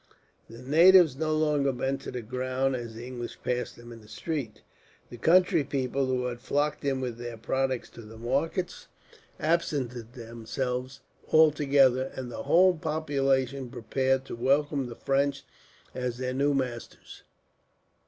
The natives no longer bent to the ground, as the English passed them in the streets. The country people, who had flocked in with their products to the markets, absented themselves altogether, and the whole population prepared to welcome the French as their new masters.